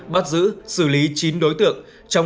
bắt giữ xử lý chín đối tượng